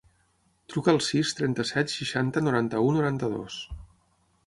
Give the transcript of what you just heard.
Truca al sis, trenta-set, seixanta, noranta-u, noranta-dos.